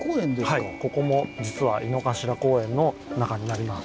はいここも実は井の頭公園の中になります。